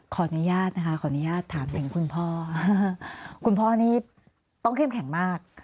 ขออนุญาตนะคะขออนุญาตถามถึงคุณพ่อคุณพ่อนี่ต้องเข้มแข็งมาก